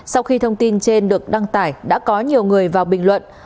sau khi thông tin trên được đăng tải đã có nhiều người vào bình luận